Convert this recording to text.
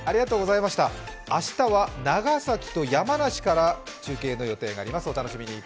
明日は長崎と山梨から中継の予定があります、お楽しみに。